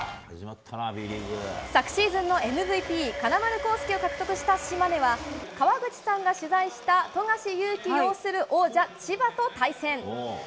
昨シーズンのＭＶＰ金丸晃輔を獲得した島根は川口さんが取材した富樫勇樹擁する王者・千葉と対戦。